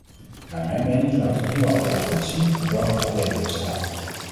Naar mijn mening laat het nieuwe akkoord goed zien voor welk probleem we staan.